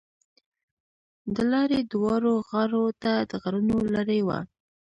د لارې دواړو غاړو ته د غرونو لړۍ وه.